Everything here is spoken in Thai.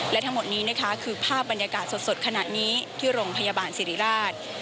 และทั้งหมดนี้นะคะคือภาพบรรยากาศสดขณะนี้ที่โรงพยาบาลสิริราช